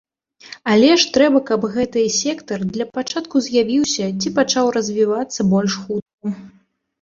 Але ж трэба, каб гэты сектар для пачатку з'явіўся ці пачаў развівацца больш хутка.